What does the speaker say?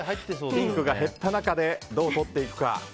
ピンクが減った中でどう取っていくか。